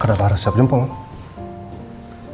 karena memang proyeknya sudah mau berjalan